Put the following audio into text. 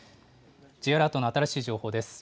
Ｊアラートの新しい情報です。